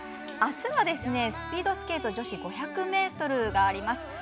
あすは、スピードスケート女子５００ｍがあります。